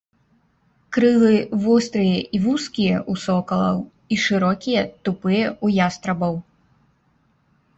Крылы вострыя і вузкія ў сокалаў і шырокія, тупыя ў ястрабаў.